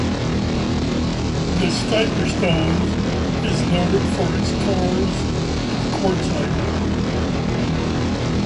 The Stiperstones is noted for its tors of quartzite.